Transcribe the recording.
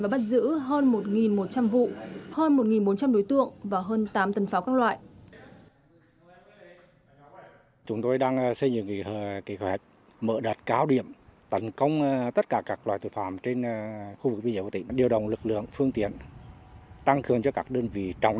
và bắt giữ tám tạ pháo nổ các đối tượng khai nhận toàn bộ số pháo trên được mua từ lào với số tiền trên hai trăm bốn mươi triệu đồng